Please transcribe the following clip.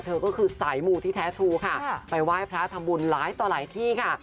เธอก็คือสายมูที่แท้ชูค่ะไปไหว้พระทำบุญหลายต่อหลายที่ค่ะ